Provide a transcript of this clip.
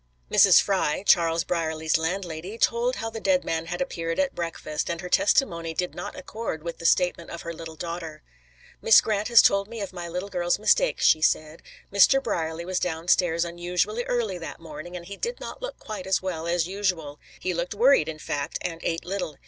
Mrs. Fry, Charles Brierly's landlady, told how the dead man had appeared at breakfast, and her testimony did not accord with the statement of her little daughter. "Miss Grant has told me of my little girl's mistake," she said. "Mr. Brierly was down stairs unusually early that morning, and he did not look quite as well as usual. He looked worried, in fact, and ate little.